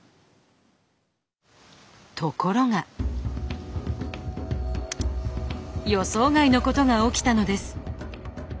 ところが予想外のことが起きたのです。